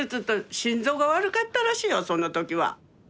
心臓が悪かったらしいよその時は。